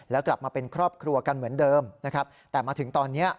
แล้วกลับมาเป็นครอบครัวกันเหมือนเดิมนะครับแต่มาถึงตอนนี้